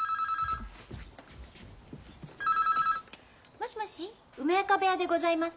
☎もしもし梅若部屋でございます。